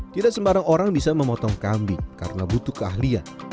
tidak sembarang orang bisa memotong kambing karena butuh keahlian